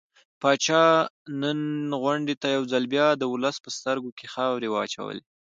پاچا نن غونډې ته يو ځل بيا د ولس په سترګو کې خاورې واچولې.